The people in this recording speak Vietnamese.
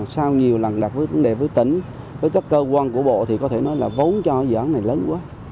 sau nhiều lần đặt với vấn đề với tỉnh với các cơ quan của bộ thì có thể nói là vốn cho dự án này lớn quá